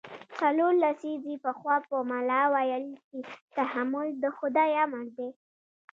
څلور لسیزې پخوا به ملا ویل چې تحمل د خدای امر دی.